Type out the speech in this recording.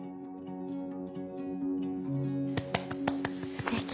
すてき。